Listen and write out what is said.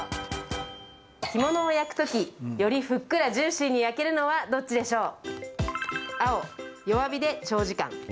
干物を焼く時よりふっくらジューシーに焼けるのはどっちでしょう？